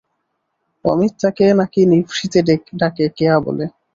অমিত তাকে নাকি নিভৃতে ডাকে কেয়া বলে।